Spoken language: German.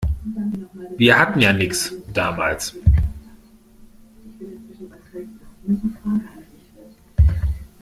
Wir hatten ja nix, damals.